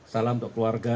salam untuk keluarga